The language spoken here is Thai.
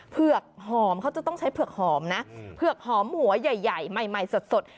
เผือกหอมเขาจะต้องใช้เผือกหอมนะเผือกหอมหัวใหญ่ใหม่สด